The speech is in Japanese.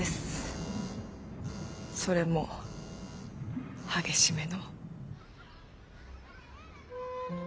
それも激しめの。